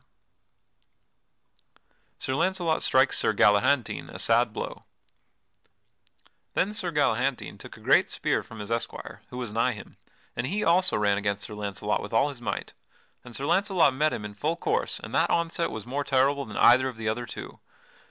[Sidenote: Sir Launcelot strikes Sir Galahantine a sad blow] Then Sir Galahantine took a great spear from his esquire, who was nigh him, and he also ran against Sir Launcelot with all his might; and Sir Launcelot met him in full course and that onset was more terrible than either of the other two.